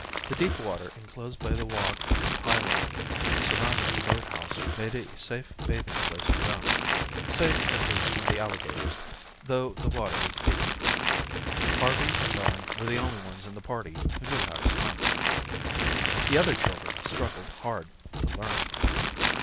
The deep water enclosed by the walk and piling surrounding the boat house made a safe bathing place for them, safe at least from the alligators, though the water was deep. Harvey and Don were the only ones in the party who knew how to swim. The other children struggled hard to learn.